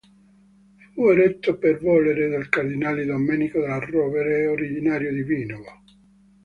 Fu eretto per volere del cardinale Domenico Della Rovere, originario di Vinovo.